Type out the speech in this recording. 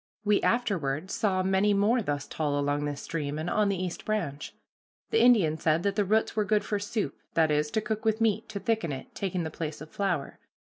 We afterward saw many more thus tall along this stream, and on the East Branch. The Indian said that the roots were good for soup, that is, to cook with meat, to thicken it, taking the place of flour.